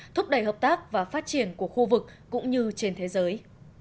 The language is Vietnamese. thúc đẩy hợp tác và phát triển của khu vực cũng như trên thế giới